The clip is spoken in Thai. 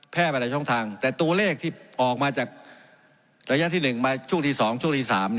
ไปหลายช่องทางแต่ตัวเลขที่ออกมาจากระยะที่๑มาช่วงที่๒ช่วงที่๓